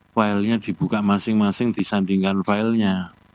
filenya dibuka masing masing disandingkan filenya